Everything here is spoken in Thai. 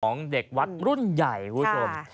ของเด็กวัดรุ่นใหญ่คุณผู้ชม